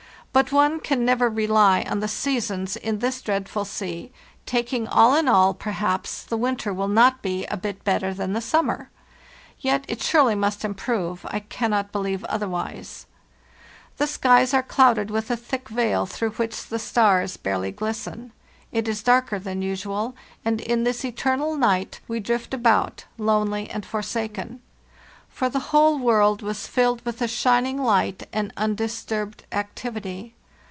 But one can never rely on the seasons in this dreadful sea; taking all in all, perhaps, the winter will not bewayoit better thanithe summer. Yet, it surély must improve—lI cannot believe otherwise. "The skies are clouded with a thick veil, through which the stars barely glisten. It is darker than usual, and in this eternal night we drift about, lonely and for saken, 'for the whole world was filled with a shining light and undisturbed activity.